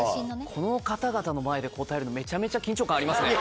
この方々の前で答えるの、めちゃめちゃ緊張感ありますね。